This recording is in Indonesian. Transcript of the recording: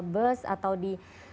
bus atau di